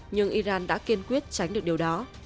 nhưng iran đã kiên quyết tránh được điều đó